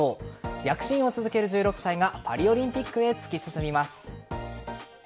躍進を続ける１６歳がパリオリンピックへ突き進みます。